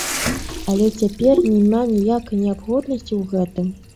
Але цяпер няма ніякай неабходнасці ў гэтым.